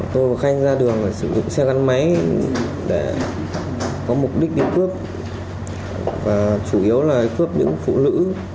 tôi và khanh ra đường phải sử dụng xe gắn máy để có mục đích đi cướp và chủ yếu là cướp những phụ nữ